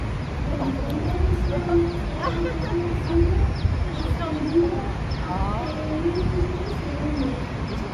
En diciembre de ese año Ōba ya había sido ascendido a teniente segundo.